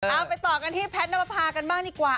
เอาไปต่อกันที่แพทย์นับประพากันบ้างดีกว่า